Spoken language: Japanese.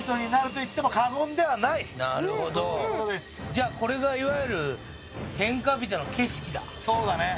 じゃあこれがいわゆる天下人の景色だそうだね